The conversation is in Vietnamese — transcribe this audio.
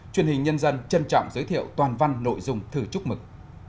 truyền hình nhân dân trân trọng giới thiệu toàn văn nội dung thư chúc mừng